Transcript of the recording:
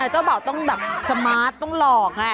เจ้าบ่าวต้องแบบสมาร์ทต้องหลอกไง